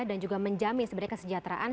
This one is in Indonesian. dan juga menjamin sebenarnya kesejahteraan